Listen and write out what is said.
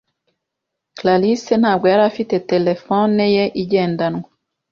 karasira ntabwo yari afite terefone ye igendanwa,